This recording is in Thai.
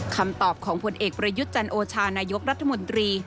คำตอบของผลเอกประยุทธ์จันโอชานายกรัฐมนตรี